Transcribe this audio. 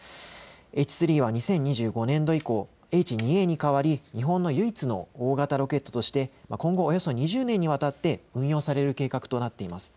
Ｈ３は２０２５年度以降、Ｈ２Ａに代わり日本の唯一の大型ロケットとして今後およそ２０年にわたって運用される計画となっています。